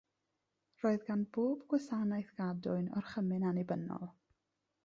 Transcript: Roedd gan bob gwasanaeth gadwyn orchymyn annibynnol.